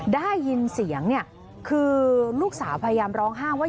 ได้ยินเสียงเนี่ยคือลูกสาวพยายามร้องห้ามว่า